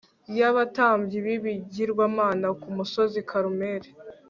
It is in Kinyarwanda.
yabatambyi bibigirwamana ku musozi Karumeli